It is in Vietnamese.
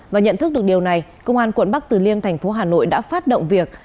và nhận thức được điều này công an quận bắc từ liêm thành phố hà nội đã phát động việc